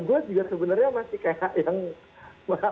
gue juga sebenarnya masih kayak yang